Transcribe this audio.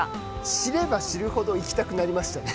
知れば知るほど行きたくなりましたね。